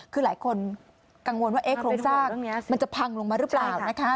คือหลายคนกังวลว่าโครงสร้างมันจะพังลงมาหรือเปล่านะคะ